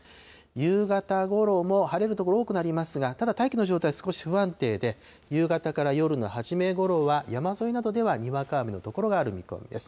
夕方ごろも晴れる所、多くなりますが、ただ大気の状態は少し不安定で、夕方から夜の初めごろは、山沿いなどではにわか雨の所がある見込みです。